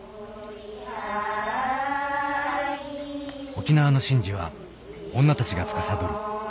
沖縄の神事は女たちがつかさどる。